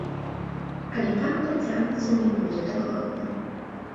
Але так працягвацца не бузе дакладна.